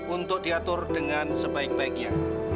untuk diatur dengan sebaik baiknya